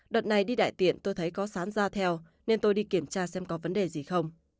đợt này đi đại tiện tôi thấy có sán ra theo nên tôi đi kiểm tra xem có vấn đề gì không